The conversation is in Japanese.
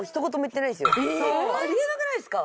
ありえなくないっすか？